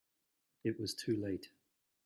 It was too late.